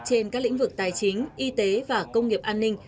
trên các lĩnh vực tài chính y tế và công nghiệp an ninh